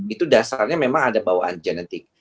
itu dasarnya memang ada bawaan genetik